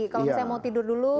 kalau saya mau tidur dulu